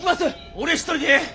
俺一人でええ。